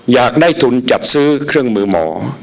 อยากได้ทุนจัดซื้อเครื่องมือหมอ